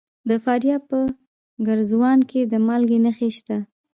د فاریاب په ګرزوان کې د مالګې نښې شته.